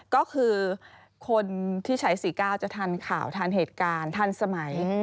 ก็คือคนที่ใช้๔๙จะทันข่าวทันเหตุการณ์ทันสมัย